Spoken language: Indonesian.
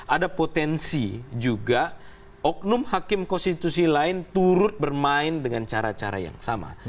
ada potensi juga oknum hakim konstitusi lain turut bermain dengan cara cara yang sama